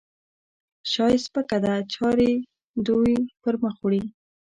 شا یې سپکه ده؛ چارې دوی پرمخ وړي.